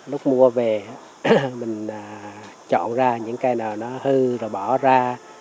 lúc mua về mình chọn ra những cây nào nó hư rồi bỏ ra